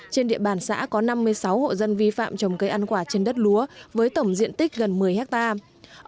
trên địa bàn xã có năm mươi sáu hộ dân vi phạm trồng cây ăn quả trên đất lúa với tổng diện tích gần một mươi hectare